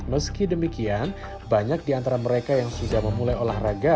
meski demikian banyak di antara mereka yang sudah memulai olahraga